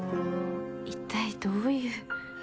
一体どういう？